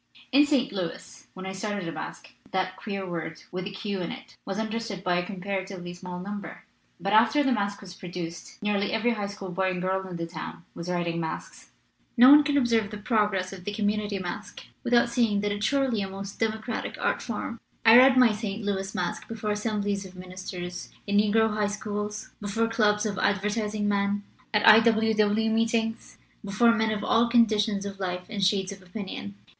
In St. Louis, when I started a masque, that queer word with a *q ' in it was understood by a comparatively small number. But after the masque was produced nearly every high school boy and girl in the town was writing masques. "No one can observe the progress of the com munity masque without seeing that it is surely a most democratic art form. I read my St. Louis masque before assemblies of ministers, in negro high schools, before clubs of advertising men, at I. W. W. meetings before men of all conditions of life and shades of opinion.